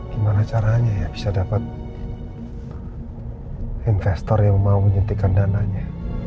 gimana caranya bisa dapat investor yang mau nyentikan dananya